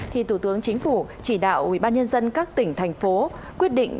thì thủ tướng chính phủ chỉ đạo ubnd các tỉnh thành phố quyết định